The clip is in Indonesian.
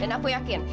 dan aku yakin